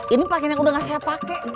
ini pakaian yang udah gak saya pake